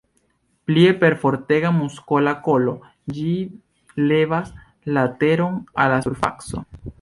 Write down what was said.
Plie, per fortega muskola kolo ĝi levas la teron al la surfaco.